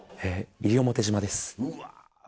西表島です。